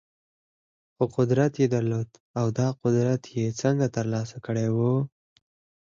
خو قدرت يې درلود او دا قدرت يې څنګه ترلاسه کړی و؟